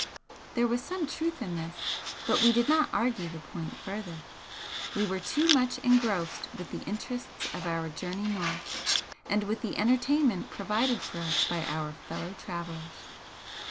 There was some truth in this, but we did not argue the point further. We were too much engrossed with the interests of our journey north, and with the entertainment provided for us by our fellow travellers.